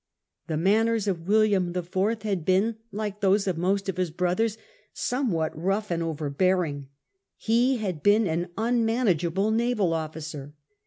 The manners of William IY. had been, like those of most of his brothers, somewhat rough and overbearing. He had been an unmanageable naval officer.